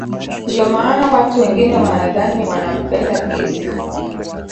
Ndio maana watu wengine wanadhani wanapenda kesi